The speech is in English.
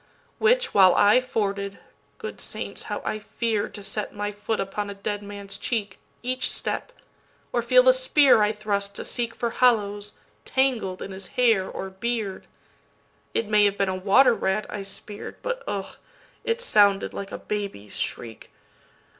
Which, while I forded,—good saints, how I fear'dTo set my foot upon a dead man's cheek, Each step, or feel the spear I thrust to seekFor hollows, tangled in his hair or beard!—It may have been a water rat I spear'd, But, ugh! it sounded like a baby's shriek.